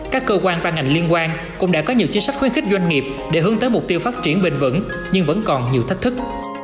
các cơ quan ban ngành liên quan cũng đã có nhiều chính sách khuyến khích doanh nghiệp để hướng tới mục tiêu phát triển bền vững nhưng vẫn còn nhiều thách thức